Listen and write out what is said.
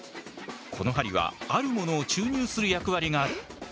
この針はあるものを注入する役割がある。